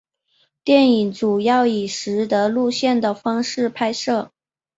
电影主要以拾得录像的方式拍摄。